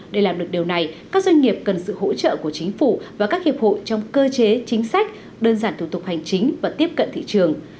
để làm được điều này các doanh nghiệp cần sự hỗ trợ của chính phủ và các hiệp hội trong cơ chế chính sách đơn giản thủ tục hành chính và tiếp cận thị trường